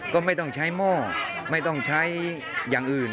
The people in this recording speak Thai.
ก็ไม่ต้องใช้หม้อไม่ต้องใช้อย่างอื่น